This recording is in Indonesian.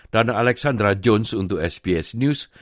dan alexandra jones untuk sbs news